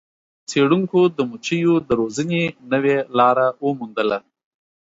څیړونکو د مچیو د روزنې نوې لاره وموندله.